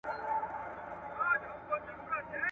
د لندن ډاکتر ما ته د ډېر وزن د کمولو ویلي وو.